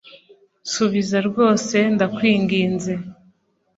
nsubiza rwose ndakwinginze